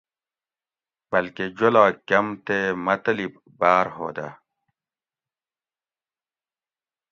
بلکہ جولاگ کۤم تے مطلب باۤر ہودہ